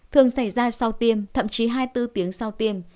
thường xảy ra sau tiêm thậm chí hai mươi bốn tiếng sau tiêm